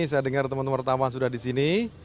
saya dengar teman teman sudah di sini